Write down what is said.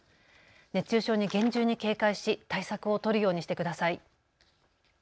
熱中症に厳重に警戒し対策を取るようにしてください。